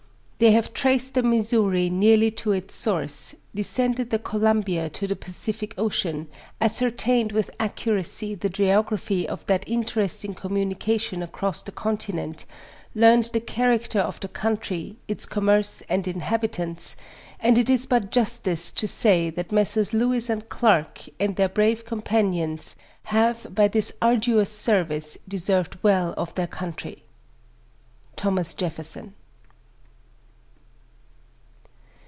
They have traced the Missouri nearly to its source; descended the Columbia to the Pacific Ocean; ascertained with accuracy tho Geography of that interesting communication across the continent; learned the character of the country, its commerce and inhabitants; and it is but justice to say that Messrs. Lewis and Clarke, and their brave companions, have, by this arduous service, deserved well of their country. THO. JEFFERSON.